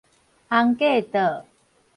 尪架桌